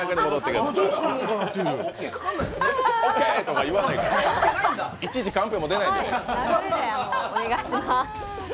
オッケーとか言わないから、いちいちカンペも出ない。